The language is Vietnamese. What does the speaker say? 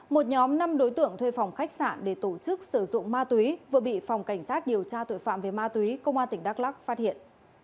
một nhóm năm đối tượng thuê phòng khách sạn để tổ chức sử dụng ma túy vừa bị phòng cảnh sát điều tra tội phạm về ma túy công an tỉnh đắk lắc phát hiện